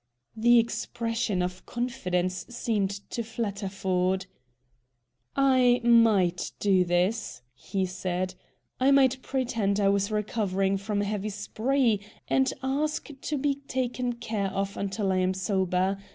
The expression of confidence seemed to flatter Ford. "I might do this," he said. "I might pretend I was recovering from a heavy spree, and ask to be taken care of until I am sober.